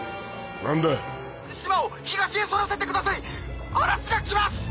なんだ島を東へ逸らせてください嵐が来ます！